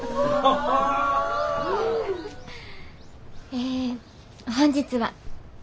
え本日は。